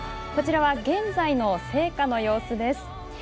こちらは現在の聖火の様子です。